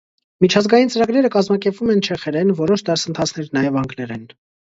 Միջազգային ծրագրերը կազմակերպվում են չեխերեն, որոշ դասընթացներ՝ նաև անգլերեն։